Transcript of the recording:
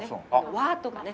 「わ」とかね。